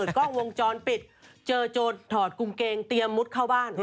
กล้องวงจรปิดเจอโจรอดกุงเกงเตรียมมุดเข้าบ้าน